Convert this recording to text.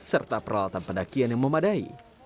serta peralatan pendakian yang memadai